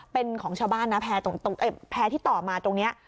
เป็นของชาวบ้านนะแพรที่ต่อมาตรงนี้